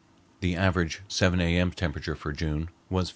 The average 7 A.M. temperature for June was 54.